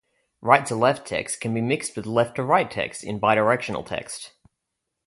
Right-to-left text can be mixed with left-to-right text in bi-directional text.